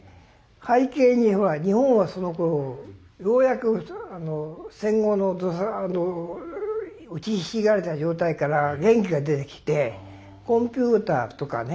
背景には日本はそのころようやく戦後の打ちひしがれた状態から元気が出てきてコンピューターとかね